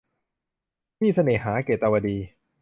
หนี้เสน่หา - เกตุวดี